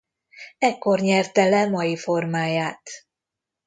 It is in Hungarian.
Ekkor nyerte le mai formáját.